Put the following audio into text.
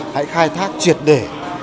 hãy khai thác triệt để